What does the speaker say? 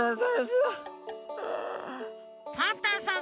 パンタンさん